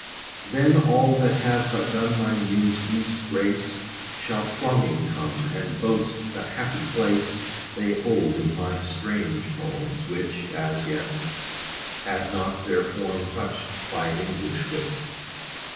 Then all that have but done my Muse least grace, 70 Shall thronging come, and boast the happy place They hold in my strange poems, which, as yet, Had not their form touch'd by an English wit.